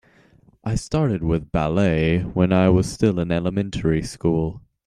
I started with ballet when I was still in elementary school.